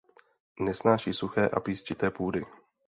Nesnáší suché a písčité půdy.